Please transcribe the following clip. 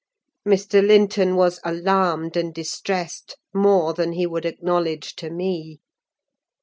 Mr. Linton was alarmed and distressed, more than he would acknowledge to me.